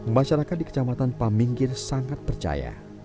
masyarakat di kecamatan paminggir sangat percaya